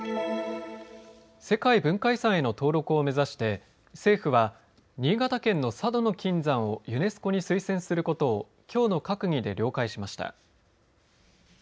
世界文化遺産への登録を目指して政府は、新潟県の佐渡島の金山をユネスコに推薦することをきょうの閣議で了解しました。